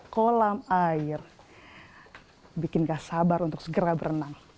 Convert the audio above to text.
kolam air bikinkan sabar untuk segera berenang